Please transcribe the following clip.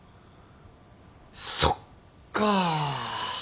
そっか。